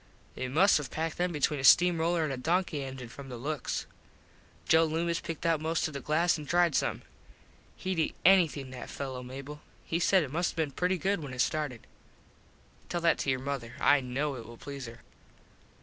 They must have packed them between a steam roller and a donkey engin from the looks. Joe Loomis picked out most of the glass an tried some. Hed eat anything, that fello, Mable. He said it must have been pretty good when it started. Tell that to your mother. I know it will please her.